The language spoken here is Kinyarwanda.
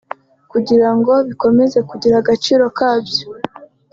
kugira ngo bikomeze kugira agaciro kabyo